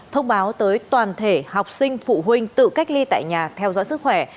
thông báo tới toàn thể học sinh phụ huynh tự cách ly tại nhà theo dõi sức khỏe